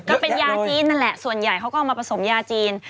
ก็เป็นยาจีนนั่นแหละส่วนใหญ่เขาก็เอามาผสมยาจีน